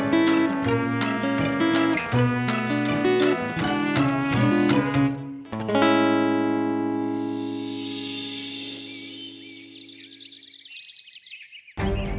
ครับที่อยู่ที่ที่เรา